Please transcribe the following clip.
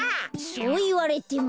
そういわれても。